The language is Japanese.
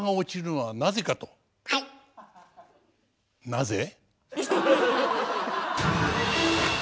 なぜ？